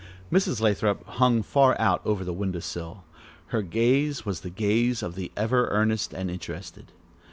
Mrs. Lathrop hung far out over the window sill her gaze was the gaze of the ever earnest and interested.